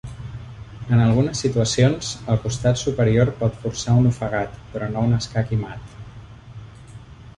En algunes situacions, el costat superior pot forçar un ofegat, però no un escac i mat.